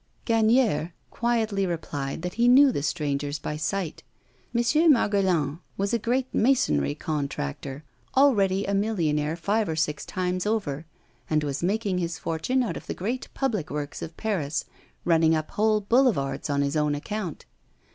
Gagnière quietly replied that he knew the strangers by sight. M. Margaillan was a great masonry contractor, already a millionaire five or six times over, and was making his fortune out of the great public works of Paris, running up whole boulevards on his own account.